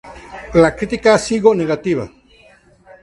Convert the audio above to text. La crítica ha sigo negativa.